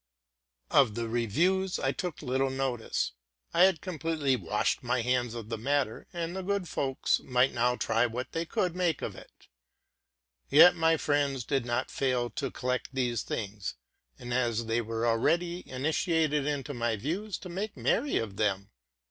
Of the reviews I took little notice. The matter was set tled, as far as I was concerned; and the good folks might now try what they could make of it. Yet my friends did not fail to collect these things, and, as they were already initiated into my views, to make merry with them.